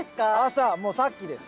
朝もうさっきです。